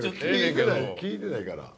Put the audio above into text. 聞いてないから。